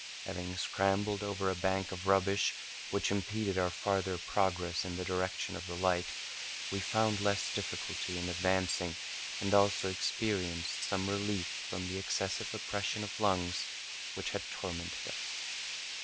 Having scrambled over a bank of rubbish which impeded our farther progress in the direction of the light, we found less difficulty in advancing and also experienced some relief from the excessive oppression of lungs which had tormented us.